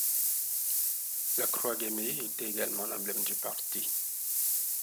La croix gammée était également l'emblème du parti.